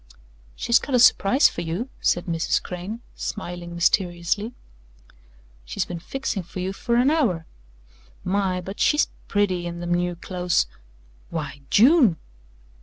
"She's got a surprise for you," said Mrs. Crane, smiling mysteriously. "She's been fixing for you for an hour. My! but she's pretty in them new clothes why, June!"